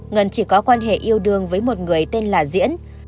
ngân chỉ có quan hệ yêu đương với một người tên là diễn